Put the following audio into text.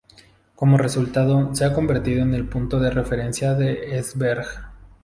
Como resultado, se ha convertido en el punto de referencia de Esbjerg.